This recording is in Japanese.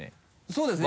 そうですね。